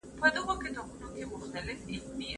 تاسي په خپلو لاسونو کي د پاکوالي پوره خیال ساتئ.